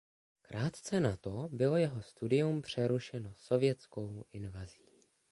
Krátce na to bylo jeho studium přerušeno sovětskou invazí.